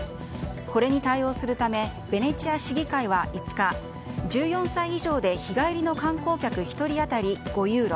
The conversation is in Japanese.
これに対応するためベネチア市議会は５日１４歳以上で日帰りの観光客１人当たり５ユーロ